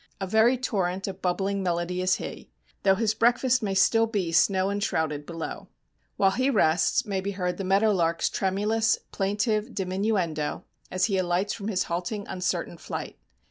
A very torrent of bubbling melody is he, though his breakfast may still be snow enshrouded below. While he rests may be heard the meadowlark's tremulous, plaintive diminuendo, as he alights from his halting, uncertain flight.